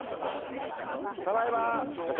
ただいまガチャ。